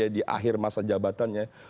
di akhir masa jabatannya